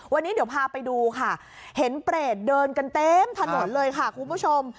วันนี้เดี๋ยวพาไปดูค่ะเห็นเปรตเดินกันเต็มถนนเลยค่ะคุณผู้ชม